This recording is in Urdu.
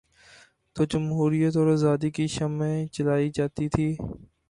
تو جمہوریت اور آزادی کی شمعیں جلائی جاتی تھیں۔